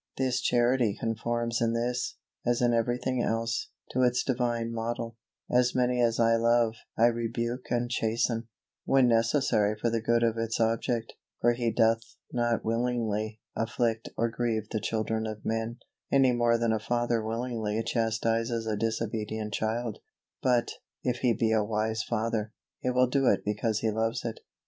This Charity conforms in this, as in everything else, to its Divine model "As many as I love I rebuke and chasten" when necessary for the good of its object, for He doth not willingly afflict or grieve the children of men, any more than a father willingly chastises a disobedient child; but, if he be a wise father, he will do it because he loves it.